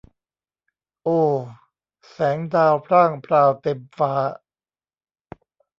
โอ แสงดาวพร่างพราวเต็มฟ้า